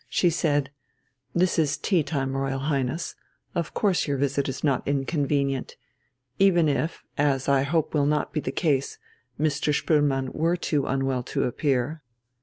She said: "This is tea time, Royal Highness. Of course your visit is not inconvenient. Even if, as I hope will not be the case, Mr. Spoelmann were too unwell to appear...."